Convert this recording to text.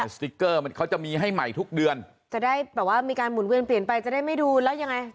สติ๊กเกอร์มันเขาจะมีให้ใหม่ทุกเดือนจะได้แบบว่ามีการหมุนเวียนเปลี่ยนไปจะได้ไม่ดูแล้วยังไง